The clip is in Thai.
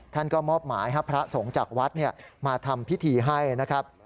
ท่านก็มอบหมายให้พระสงฆ์จากวัดมาทำพิธีให้นะครับ